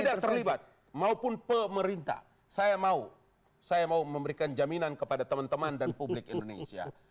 tidak terlibat maupun pemerintah saya mau saya mau memberikan jaminan kepada teman teman dan publik indonesia